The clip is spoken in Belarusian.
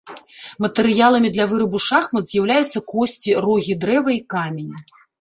Матэрыяламі для вырабу шахмат з'яўляліся косці, рогі, дрэва і камень.